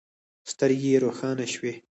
سترګې يې روښانه شوې.